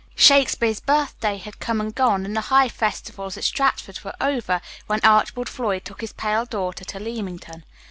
Shakespeare's birthday had come and gone, and the high festivals at Stratford were over, when Archibald Floyd took his pale daughter to Leamington.